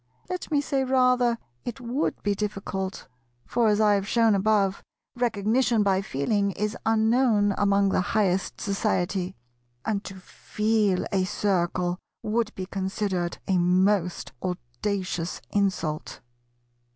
Let me say rather it would be difficult: for, as I have shown above, Recognition by Feeling is unknown among the highest society, and to feel a Circle would be considered a most audacious insult.